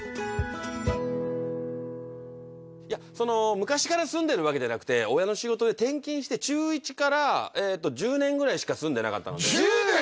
昔から住んでるわけじゃなくて親の仕事で転勤して中１から１０年住んでるんですよ１０年！？